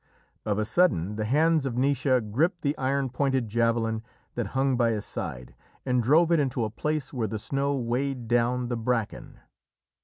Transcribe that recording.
Of a sudden, the hands of Naoise gripped the iron pointed javelin that hung by his side, and drove it into a place where the snow weighed down the bracken.